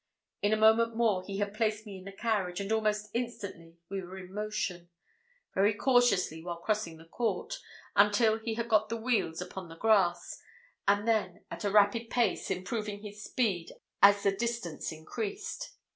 In a moment more he had placed me in the carriage, and almost instantly we were in motion very cautiously while crossing the court, until he had got the wheels upon the grass, and then at a rapid pace, improving his speed as the distance increased.